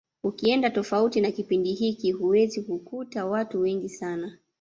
Ukienda tofauti na kipindi hiki huwezi kukuta watu wengi sana